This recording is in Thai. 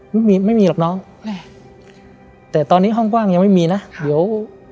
ไม่มีไม่มีหรอกน้องแต่ตอนนี้ห้องกว้างยังไม่มีนะเดี๋ยว